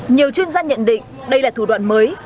nhiều chuyên gia nhận định đây là thủ đoạn mới